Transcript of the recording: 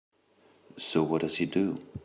So what does he do?